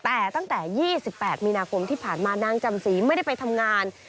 แต่ตั้งแต่๒๘มีนาคมที่ผ่านมานางจำศรีไม่ได้ไปทำงาน